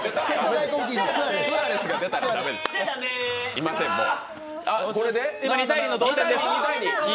いません、もう。